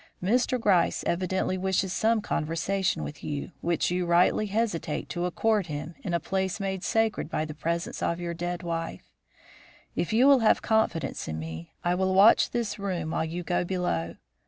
Mr. Gryce evidently wishes some conversation with you, which you rightly hesitate to accord him in a place made sacred by the presence of your dead wife. If you will have confidence in me, I will watch this room while you go below.